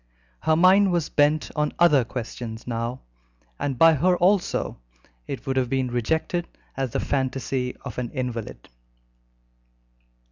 Her mind was bent on other questions now, and by her also it would have been rejected as the fantasy of an invalid.